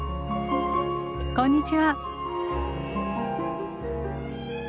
こんにちは。